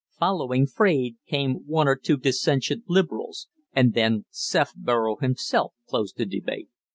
Following Fraide came one or two dissentient Liberals, and then Sefborough himself closed the debate.